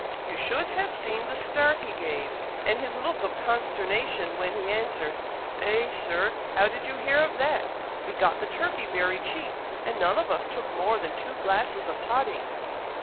You should have seen the start he gave, and his look of consternation, when he answered, 'Eh, Sir! how did ye hear of that! We got the turkey very cheap, and none of us took more than two glasses of toddy.'"